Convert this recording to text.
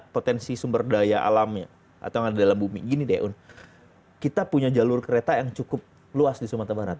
potensi sumber daya alamnya atau yang ada dalam bumi gini deh kita punya jalur kereta yang cukup luas di sumatera barat